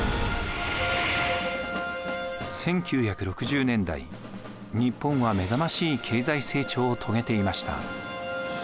１９６０年代日本は目覚ましい経済成長を遂げていました。